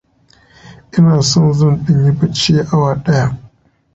Ina son zan ɗan yi baccin awa ɗaya.